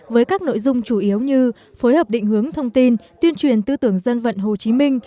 với các nội dung chủ yếu như phối hợp định hướng thông tin tuyên truyền tư tưởng dân vận hồ chí minh